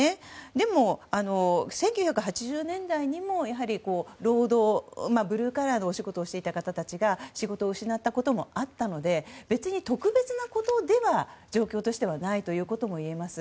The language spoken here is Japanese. でも、１９８０年代にも労働、ブルーカラーのお仕事をしていた人たちが仕事を失ったこともあったので別に特別なことでは状況としてはないといえると思います。